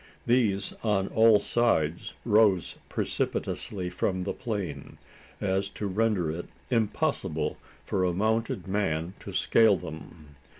These on all sides rose so precipitously from the plain, as to render it impossible for a mounted man to scale them.